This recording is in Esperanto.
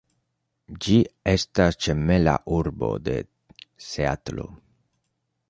Ĝi estas ĝemela urbo de Seatlo.